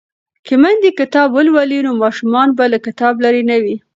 که میندې کتاب ولولي نو ماشومان به له کتابه لرې نه وي.